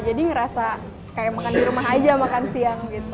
jadi ngerasa kayak makan di rumah aja makan siang gitu